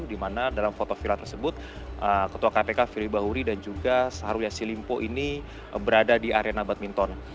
di mana dalam foto viral tersebut ketua kpk firly bahuri dan juga syahrul yassin limpo ini berada di arena badminton